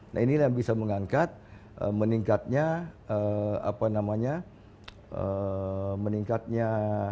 nah inilah yang bisa mengangkat meningkatnya apa namanya meningkatnya